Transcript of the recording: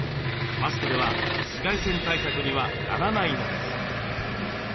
マスクでは紫外線対策にはならないのです。